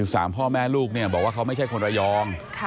สามพ่อแม่ลูกเนี่ยบอกว่าเขาไม่ใช่คนระยอง